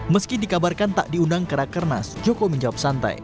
meski dikabarkan tak diundang ke rakernas joko menjawab santai